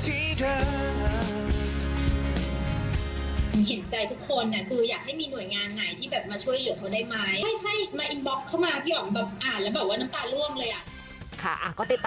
จัดไปเลยคุณผู้ชม